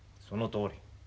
そのとおり。